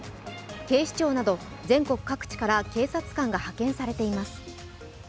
警視庁など全国各地から警察官が派遣されています。